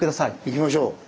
行きましょう。